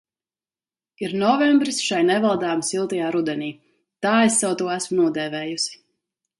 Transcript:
Ir novembris šai nevaldāmi siltajā rudenī – tā es sev to esmu nodēvējusi.